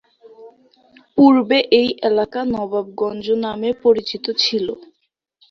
পূর্বে এই এলাকা নবাবগঞ্জ নামে পরিচিত ছিল।